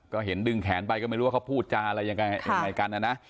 ก็เห็นดึงแขนไปก็ไม่รู้ว่าเขาพูดจาอะไรยังไงกันนะนะ